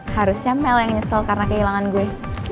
harusnya mel yang nyesel karena kehilangan gue